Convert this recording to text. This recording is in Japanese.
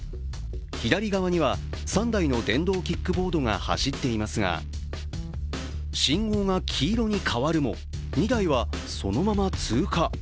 左側には３台の電動キックボードが走っていますが信号が黄色に変わるも、２台はそのまま通過。